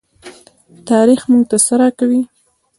تاریخ موږ ته څه راکوي؟